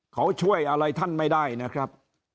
เขาช่วยอะไรท่านไม่ได้นะครับ